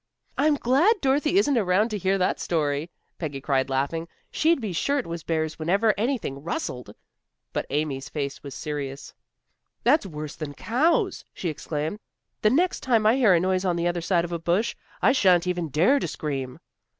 "I'm glad Dorothy isn't around to hear that story," Peggy cried laughing; "she'd be sure it was bears whenever anything rustled." But Amy's face was serious. "That's worse than cows!" she exclaimed. "The next time I hear a noise on the other side of a bush, I shan't even dare to scream."